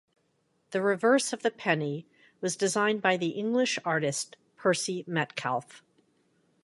The reverse of the penny was designed by the English artist Percy Metcalfe.